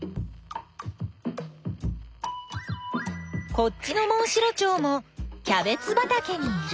こっちのモンシロチョウもキャベツばたけにいる。